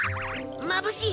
まぶしい！